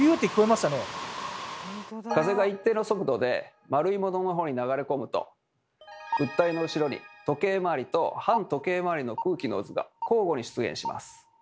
風が一定の速度で丸いものの方に流れ込むと物体の後ろに時計回りと反時計回りの空気の渦が交互に出現します。